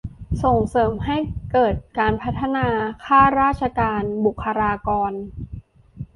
ส่งเสริมให้เกิดการพัฒนาข้าราชการ บุคลากร